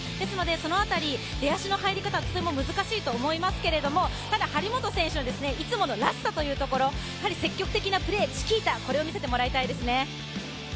その辺り、出だしの入り方、とても難しいと思いますけど張本選手はいつもの、らしさというところ積極的なプレー、チキータを見せてもらいたいですね。